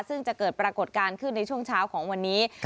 ซึ่งจะเกิดปรากฏการณ์ขึ้นในช่วงเช้าของวันนี้